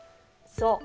そう。